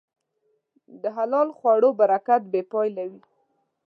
د حلال خوړو برکت بېپایله وي.